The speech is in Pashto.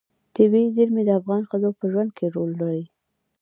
طبیعي زیرمې د افغان ښځو په ژوند کې رول لري.